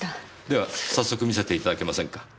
では早速見せていただけませんか。